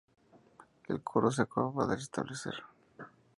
El coro se acababa de restablecer.